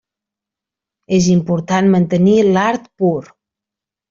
És important mantenir l'art pur.